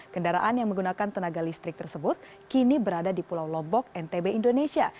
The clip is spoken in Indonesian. kendaraan yang menggunakan tenaga listrik tersebut kini berada di pulau lombok ntb indonesia